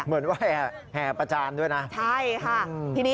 เหมือนว่าแห่ประจานด้วยนะใช่ค่ะทีนี้